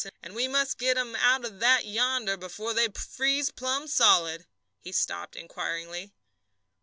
And we must get 'em out of that yonder before they freeze plumb solid." He stopped inquiringly.